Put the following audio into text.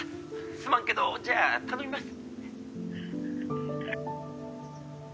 「すまんけどじゃあ頼みます」